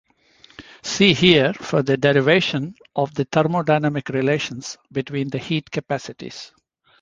See here for the derivation of the thermodynamic relations between the heat capacities.